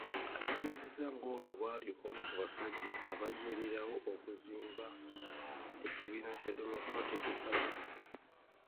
Ategeezezza ng'ono bw'ali omu ku basajja abaayimirirawo okuzimba ekibiina kya Democratic Party.